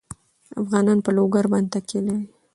افغانستان په لوگر باندې تکیه لري.